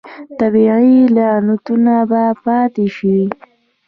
طبیعي لغتونه به پاتې شي.